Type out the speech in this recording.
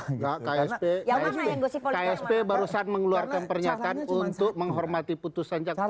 ksp barusan mengeluarkan pernyataan untuk menghormati putusan jaksa